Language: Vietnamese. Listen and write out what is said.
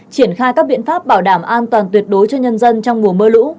triển khai các biện pháp bảo đảm an toàn tuyệt đối cho nhân dân trong mùa mưa lũ